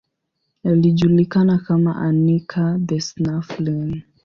Alijulikana kama Anica the Snuffling.